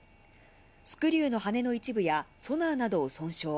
スクリューの羽の一部や、ソナーなどを損傷。